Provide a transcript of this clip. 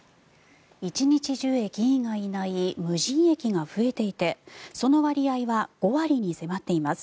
１日中駅員がいない無人駅が増えていてその割合は５割に迫っています。